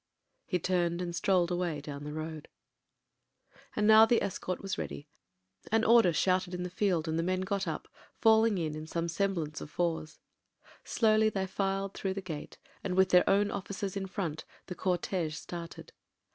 He turned and strolled away down the road. ... And now the escort was ready. An order shouted in the field, and the men got up, falling in in some semblance of fours. Slowly they filed through the gate and, with their own officers in front, the cortege started.